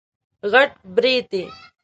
غټ برېتی